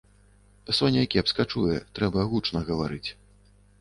Соня кепска чуе, трэба гучна гаварыць.